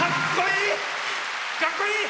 かっこいい！